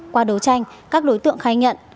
qua đấu tranh các đối tượng khai nhận